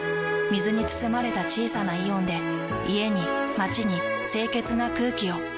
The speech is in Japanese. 水に包まれた小さなイオンで家に街に清潔な空気を。